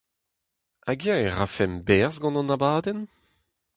Hag-eñ e rafemp berzh gant hon abadenn ?